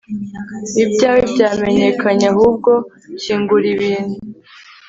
ibyawe byamenyekanye ahubwo kingura ibintu